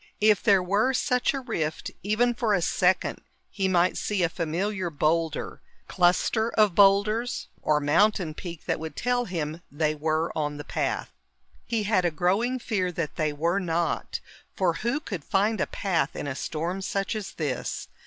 If there were such a rift, even for a second, he might see a familiar boulder, cluster of boulders, or mountain peak that would tell him they were on the path. He had a growing fear that they were not, for who could find a path in a storm such as this?